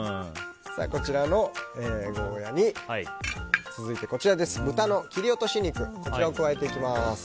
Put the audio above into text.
ゴーヤーに続いて豚の切り落とし肉を加えていきます。